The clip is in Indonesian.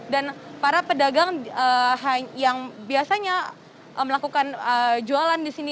dan para pedagang yang biasanya melakukan jualan di sini